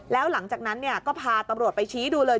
แล้วหลังจากนั้นก็พาตำรวจไปชี้ดูเลย